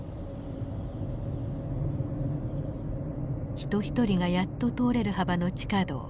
人一人がやっと通れる幅の地下道。